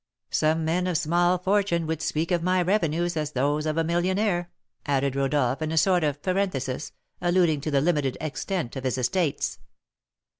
Some men of small fortune would speak of my revenues as those of a millionaire," added Rodolph, in a sort of parenthesis, alluding to the limited extent of his estates.